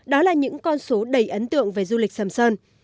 đó là những con số đầy ấn tượng về du lịch sầm sơn